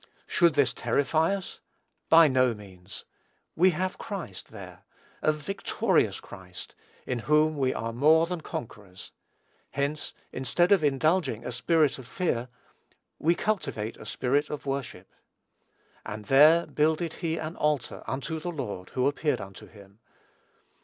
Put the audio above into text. Should this terrify us? By no means. We have Christ there, a victorious Christ, in whom we are "more than conquerors." Hence, instead of indulging "a spirit of fear," we cultivate a spirit of worship. "And there builded he an altar unto the Lord, who appeared unto him."